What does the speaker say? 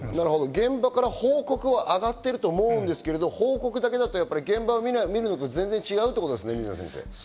現場から報告は上がってると思うんですけど、それだけだと現場を見るのとは全然違うということですね。